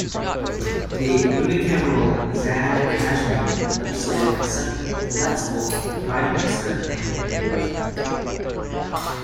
The unicameral Azad Kashmir Legislative Assembly elects both the Prime Minister and President.